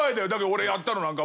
俺やったのなんか。